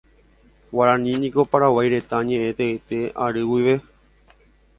Guarani niko Paraguay retã ñeʼẽ teete ary guive.